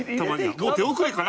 もう手遅れかな？